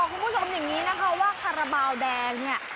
คุณผู้ชมอย่างนี้นะคะว่าคาราบาลแดงเนี่ย